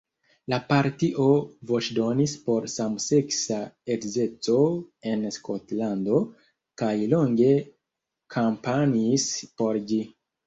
La partio voĉdonis por samseksa edzeco en Skotlando kaj longe kampanjis por ĝi.